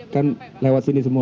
kan lewat sini semua